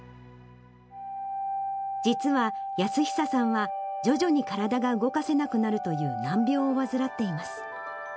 実は泰久さんは、徐々に体が動かせなくなるという難病を患っています。